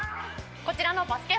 こちらのバスケ☆